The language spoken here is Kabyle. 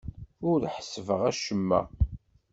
Ur ḥessbeɣ acemma.